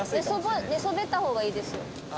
寝そべった方がいいですよ。